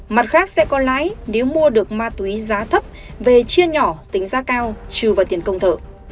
mặt khác sẽ có lái nếu mua được ma túy giá thấp về chia nhỏ tính giá cao trừ vào tiền công thở